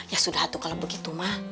ya sudah tuh kalau begitu mah